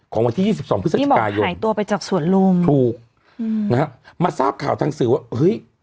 ของวันที่๒๒พฤศจิกายนถูกนะครับมาทราบข่าวทางสื่อว่าเฮ้ย